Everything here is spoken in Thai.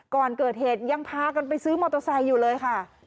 ก่อนเกิดเหตุยังพากันไปซื้อมอเตอร์ไซค์อยู่เลยค่ะ